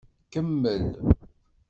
Kemmel!